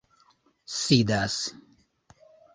sidas